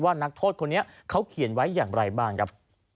นักโทษคนนี้เขาเขียนไว้อย่างไรบ้างครับ